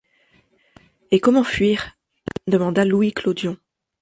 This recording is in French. Et comment fuir ?… demanda Louis Clodion.